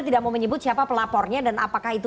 tidak mau menyebut siapa pelapornya dan apakah itu